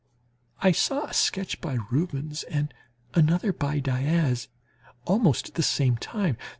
I saw a sketch by Rubens and another by Diaz almost at the same time.